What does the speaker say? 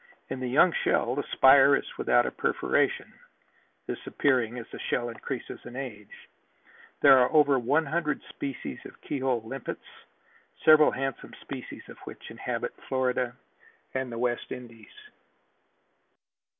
In the young shell the spire is without a perforation, this appearing as the shell increases in age. There are over one hundred species of key hole limpets, several handsome species of which inhabit Florida and the West Indies.